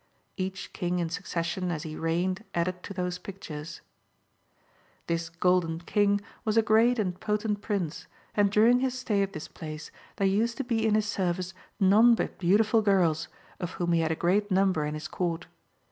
Each king in succession as he reigned added to those pictures,' [This Golden King was a great and potent Prince, and during his stay at this place there used to be in his service none but beautiful girls, of whom he had a great number in his Court.